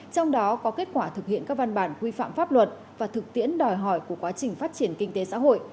trong đó có kết quả thực hiện các văn bản quy phạm pháp luật và thực tiễn đòi hỏi của quá trình phát triển kinh tế xã hội